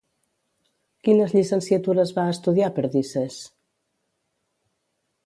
Quines llicenciatures va estudiar Perdices?